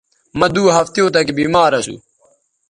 مہ دو ہفتیوں تکے بیمار اسو